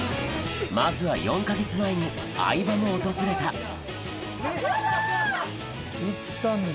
まずは４か月前に相葉も訪れたヤダ！